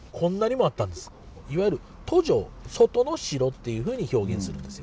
いわゆる外城外の城っていうふうに表現するんです。